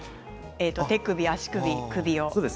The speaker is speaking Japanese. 手首、足首、首。